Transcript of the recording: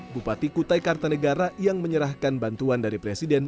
bupati kutai kartanegara yang menyerahkan bantuan dari presiden